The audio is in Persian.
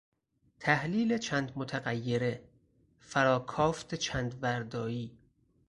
تحلیل چند متغیره، فراکافت چند وردایی